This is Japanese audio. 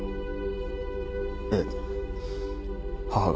ええ母が。